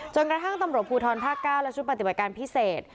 จนกระทั่งตำรวจภูทรภาค๙และชุดปฏิบัติการพิเศษ